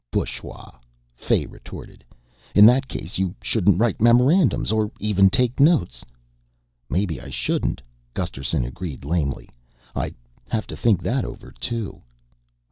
"Bushwa," Fay retorted. "In that case you shouldn't write memorandums or even take notes." "Maybe I shouldn't," Gusterson agreed lamely. "I'd have to think that over too."